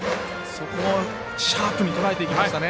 そこをシャープにとらえていきましたね。